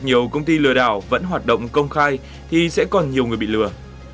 nhiều công ty lừa đảo vẫn hoạt động công khai thì sẽ còn nhiều người bị lừa